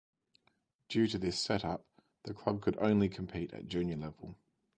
Due to this set-up the club could only compete at Junior level.